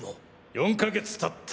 ４か月たった